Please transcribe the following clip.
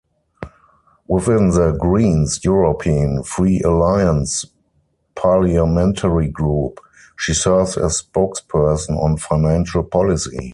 Within the Greens-European Free Alliance parliamentary group, she serves as spokesperson on financial policy.